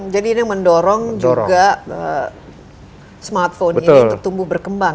jadi ini mendorong juga smartphone ini untuk tumbuh berkembang ya